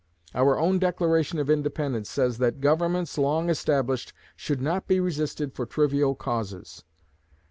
Our own Declaration of Independence says that governments long established should not be resisted for trivial causes.